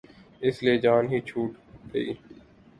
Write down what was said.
اس لیے جان ہی چھوٹ گئی۔